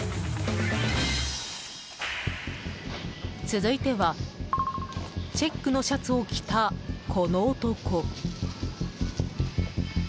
続いてはチェックのシャツを着たこの男。